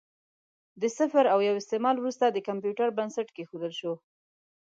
د صفر او یو استعمال وروسته د کمپیوټر بنسټ کېښودل شو.